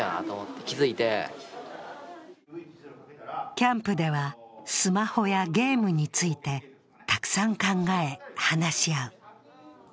キャンプではスマホやゲームについて、たくさん考え話し合う。